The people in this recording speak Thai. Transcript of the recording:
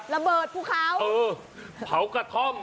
ระเบิดผู้เขาเออเผากระท่อม